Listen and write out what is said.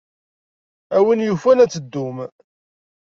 A win yufan ad teddum.